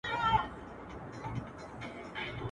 چاویل چي بم ښایسته دی ښه مرغه دی.